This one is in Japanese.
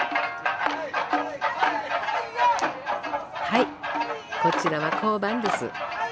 はいこちらは交番です。